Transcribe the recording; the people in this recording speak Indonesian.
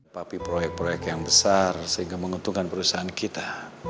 tapi proyek proyek yang besar sehingga menguntungkan perusahaan kita